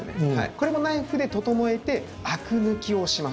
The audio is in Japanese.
これもナイフで整えてアク抜きをします。